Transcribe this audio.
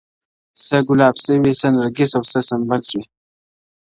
څه ګلاب سوې څه نرګس او څه سنبل سوې-